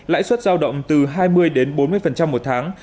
lãi suất giao động từ hai mươi đến bốn mươi một tháng